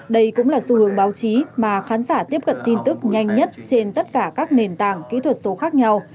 đây cũng là xu hướng báo chí mà khán giả tiếp cận tin tức nhanh nhất trên tất cả các nền tảng kỹ thuật số khác nhau